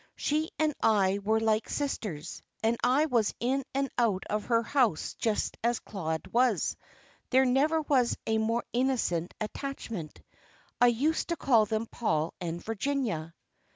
She and I were like sisters, and I was in and out of her house just as Claude was. There never was a more innocent attachment. I used to call them Paul and Virginia."